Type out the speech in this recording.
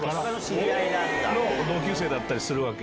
同級生だったりするわけ。